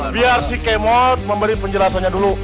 biar si k mod memberi penjelasannya dulu